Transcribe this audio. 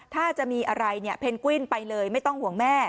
ถ้าจะมีอะไรเนี่ยเพนกวินไปเลยไม่ต้องห่วงแม่